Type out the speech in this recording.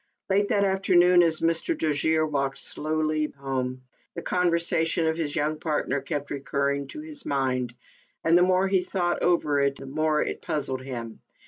Late that afternoon, as Mr. Dojere walked slowly ALICE ; OR, THE WAGES OF SIN. 19 home, the conversation of his young partner kept recurring to his mind, and, the more he thought over it, the more it puzzled him.